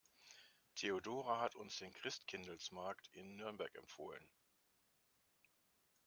Theodora hat uns den Christkindlesmarkt in Nürnberg empfohlen.